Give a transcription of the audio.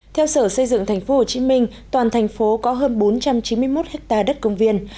theo sở xây dựng tp hcm toàn thành phố có hơn bốn trăm chín mươi một hectare đất công viên